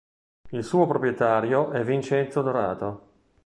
Il suo proprietario è Vincenzo Onorato.